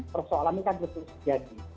persoalan itu akan terus terjadi